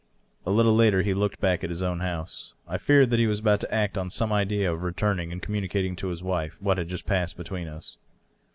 A little later he looked back at his own house. I feared that he was about to act on some idea of returning and communicating to his wife what had just passed between us.